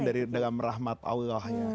dalam rahmat allah